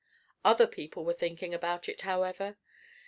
Other people were thinking about it, however.